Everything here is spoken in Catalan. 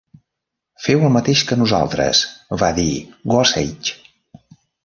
"Feu el mateix que nosaltres", va dir Gossage.